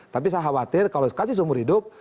tapi saya khawatir kalau kasih seumur hidup